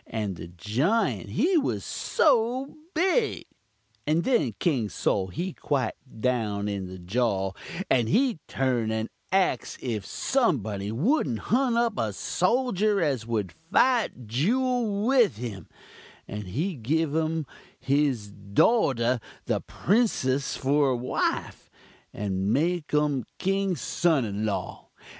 the jiunt he was so big!! "And then King Sol he quite down in the jaw, and he turn and ax if somebody wouldn't hunt up a soljur as would fite juul with um; and he'd give um his dawtah, the prinsuss, for wife, and make um king's son in law.